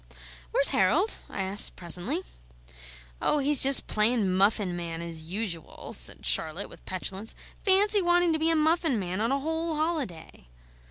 "Where's Harold;" I asked presently. "Oh, he's just playin' muffin man, as usual," said Charlotte with petulance. "Fancy wanting to be a muffin man on a whole holiday!"